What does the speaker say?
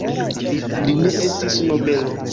Li ne estis nobelo.